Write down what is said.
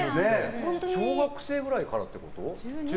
小学生くらいからってこと？